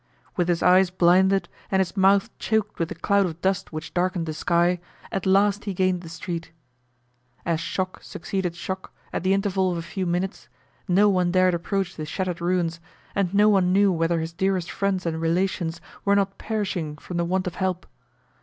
With his eyes blinded, and his mouth choked with the cloud of dust which darkened the sky, at last he gained the street. As shock succeeded shock, at the interval of a few minutes, no one dared approach the shattered ruins, and no one knew whether his dearest friends and relations were not perishing from the want of help.